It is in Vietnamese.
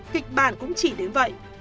kịch bản cũng chỉ đến vậy